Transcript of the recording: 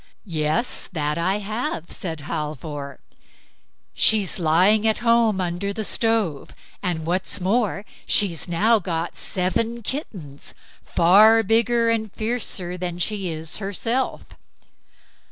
"Yes, that I have", said Halvor; "she's lying at home under the stove, and what's more, she has now got seven kittens, far bigger and fiercer than she is herself."